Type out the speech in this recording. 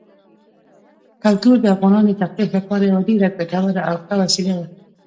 کلتور د افغانانو د تفریح لپاره یوه ډېره ګټوره او ښه وسیله ده.